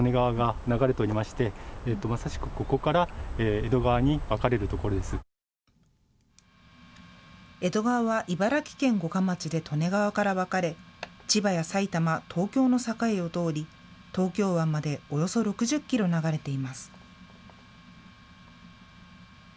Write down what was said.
江戸川は茨城県五霞町で利根川から分かれ、千葉や埼玉、東京の境を通り、東京湾までおよそ６０キロ流れています。